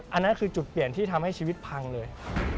อันนั้นคือจุดเปลี่ยนที่ทำให้ชีวิตพังเลย